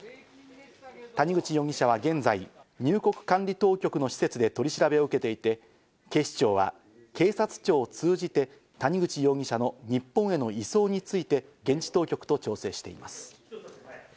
谷口容疑者は現在、入国管理当局の施設で取り調べを受けていて、警視庁は警察庁を通じて谷口容疑者の日本への移送について現地当局と調整しています。